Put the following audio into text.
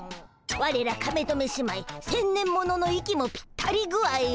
ワレらカメトメ姉妹千年モノの息もぴったり具合を。